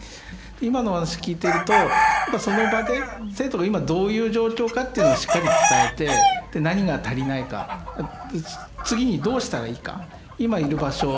今のお話聞いているとその場で生徒が今どういう状況かっていうのをしっかり伝えてで何が足りないか次にどうしたらいいか今いる場所